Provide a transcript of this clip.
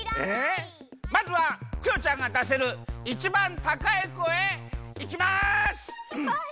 まずはクヨちゃんがだせるいちばんたかい声いきます！